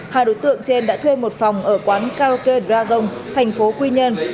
hai đối tượng trên đã thuê một phòng ở quán karaoke dragon thành phố quy nhơn